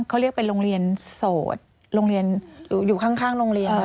เขาเรียกเป็นโรงเรียนโสดโรงเรียนอยู่ข้างโรงเรียน